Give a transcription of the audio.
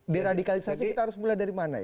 di radikalisasi kita harus mulai dari mana ya